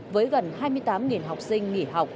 với gần hai mươi tám học sinh nghỉ học